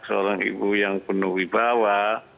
seorang ibu yang penuh wibawa